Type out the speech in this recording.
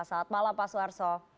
selamat malam pak soeharto